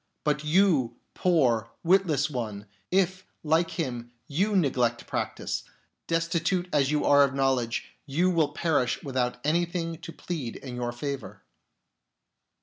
But you, poor, witless one, if, like him, you neglect practice, destitute as you are of knowledge, you will perish without anything to plead in your favour."